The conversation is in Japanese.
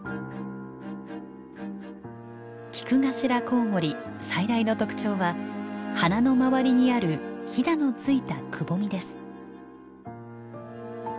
キクガシラコウモリ最大の特徴は鼻の周りにあるヒダの付いたくぼみです。